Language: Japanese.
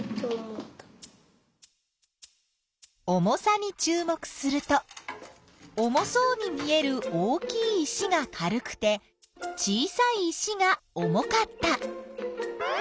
重さにちゅう目すると重そうに見える大きい石が軽くて小さい石が重かった。